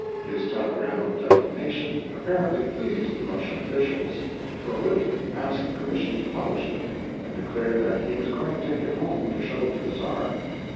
His telegram of declination apparently pleased the Russian officials, for Witte asked permission to publish it, and declared that he was going to take it home to show to the Tsar.